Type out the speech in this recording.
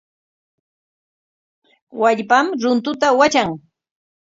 Wallpam runtuta watran.